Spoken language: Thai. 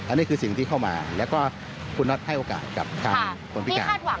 อันนี้คือสิ่งที่เข้ามาแล้วก็คุณน็อตให้โอกาสกับทางคนพิการ